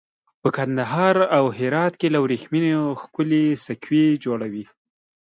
په کندهار او هرات کې له وریښمو ښکلي سکوي جوړوي.